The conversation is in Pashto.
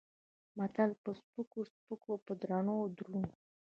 متل: په سپکو سپک په درونو دروند.